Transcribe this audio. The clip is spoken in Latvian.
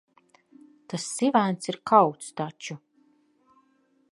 Tas sivēns ir kauts taču.